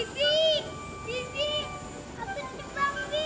bibi aku cepat bi